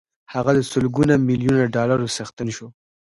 هغه د سلګونه ميليونه ډالرو څښتن شو.